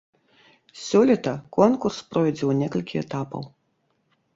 Сёлета конкурс пройдзе у некалькі этапаў.